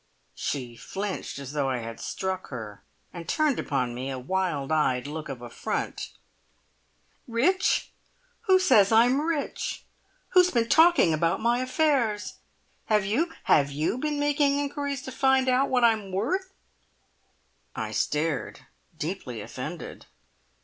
She flinched as though I had struck her, and turned upon me a wild eyed look of affront. "Rich? Who says I am rich? Who has been talking about my affairs? Have you have you been making inquiries to find out what I am worth?" I stared, deeply offended.